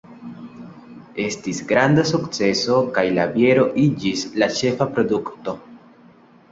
Estis granda sukceso kaj la biero iĝis la ĉefa produkto.